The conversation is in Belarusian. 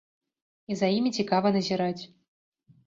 І за імі цікава назіраць.